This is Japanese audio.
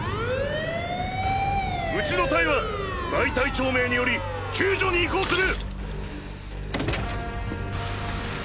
ウチの隊は大隊長命により救助に移行する。